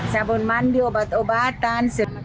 sabun mandi obat obatan